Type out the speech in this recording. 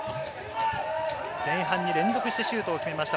前半に連続してシュートを決めました